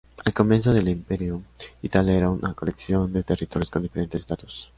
Al comienzo del Imperio, Italia era una colección de territorios con diferentes estatus.